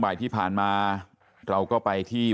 กระดิ่งเสียงเรียกว่าเด็กน้อยจุดประดิ่ง